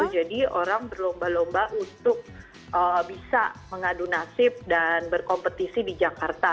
jadi orang berlomba lomba untuk bisa mengadu nasib dan berkompetisi di jakarta